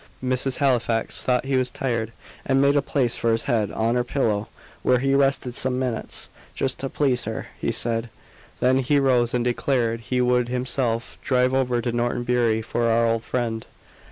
Mrs. Halifax thought he was tired, and made a place for his head on her pillow, where he rested some minutes, "just to please her," he said. Then he rose and declared he would himself drive over to Norton Bury for our old friend.